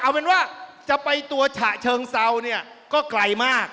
เอาเป็นว่าจะไปตัวฉะเชิงเซาเนี่ยก็ไกลมาก